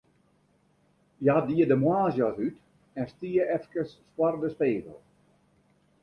Hja die de moarnsjas út en stie efkes foar de spegel.